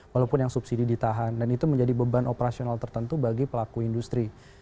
walaupun yang subsidi ditahan dan itu menjadi beban operasional tertentu bagi pelaku industri